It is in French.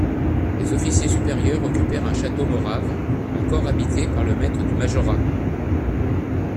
Les officiers supérieurs occupèrent un château morave encore habité par le maître du majorat.